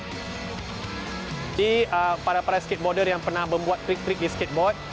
para para skateboarder yang pernah membuat trik trik di skateboard